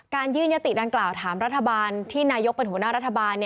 ยื่นยติดังกล่าวถามรัฐบาลที่นายกเป็นหัวหน้ารัฐบาล